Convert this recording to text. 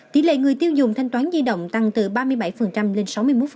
tỷ lệ người tiêu dùng thanh toán di động tăng từ ba mươi bảy lên sáu mươi một